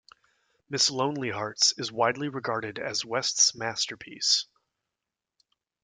"Miss Lonelyhearts" is widely regarded as West's masterpiece.